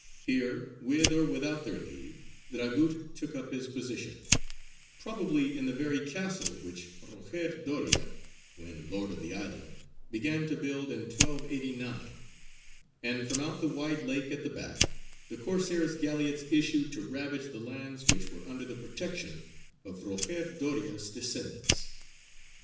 Here, with or without their leave, Dragut took up his position, probably in the very castle which Roger Doria, when lord of the island, began to build in 1289; and from out the wide lake at the back the Corsair's galleots issued to ravage the lands which were under the protection of Roger Doria's descendants.